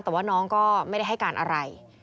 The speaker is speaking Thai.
แต่ว่าน้องก็ไม่ได้ให้การอะไร